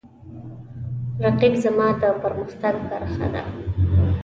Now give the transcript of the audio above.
رقیب زما د پرمختګ برخه ده